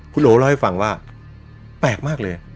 คุณโอเล่าให้ฟังว่าแปลกมากเลย